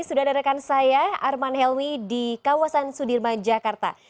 sudah ada rekan saya arman helmi di kawasan sudirman jakarta